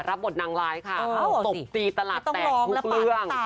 รับบทนางร้ายค่ะตบตีตลาดแตกทุกเรื่อง